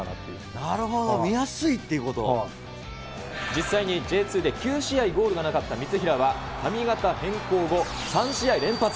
なるほど、見やすいっていう実際にＪ２で９試合ゴールがなかった三平は、髪形変更後、３試合連発。